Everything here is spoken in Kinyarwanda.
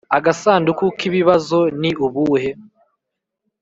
Agasanduku k ibibazo Ni ubuhe